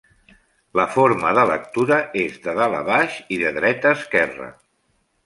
La forma de lectura és de dalt a baix i de dreta a esquerra.